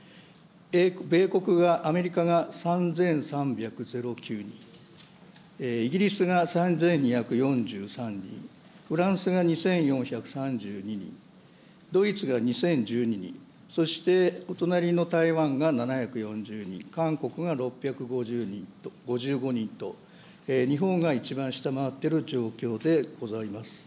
米国が、アメリカが３３０９人、イギリスが３２４３人、フランスが２４３２人、ドイツが２０１２人、そしてお隣の台湾が７４０人、韓国が６５５人と、日本が一番下回っている状況でございます。